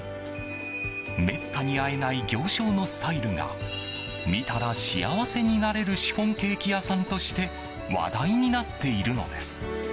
めったに会えない行商のスタイルが見たら幸せになれるシフォンケーキ屋さんとして話題になっているのです。